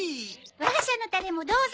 我が社のタレもどうぞ！